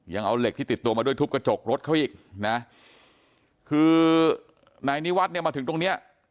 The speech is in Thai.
ยังเอาเหล็กที่ติดตัวมาด้วยทุบกระจกรถเขาอีกนะคือนายนิวัฒน์เนี่ยมาถึงตรงเนี้ย